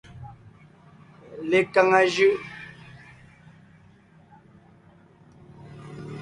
Lekaŋa jʉʼ.